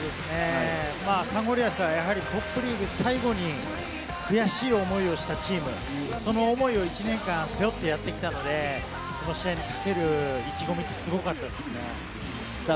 サンゴリアスはやはりトップリーグの最後に、悔しい思いをしたチーム、その思いを１年間背負ってやってきたので、この試合にかける意気込みはすごかったですね。